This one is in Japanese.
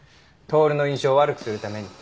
透の印象を悪くするために。